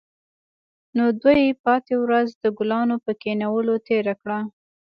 نو دوی پاتې ورځ د ګلانو په کینولو تیره کړه